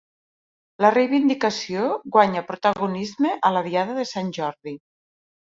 La reivindicació guanya protagonisme a la diada de Sant Jordi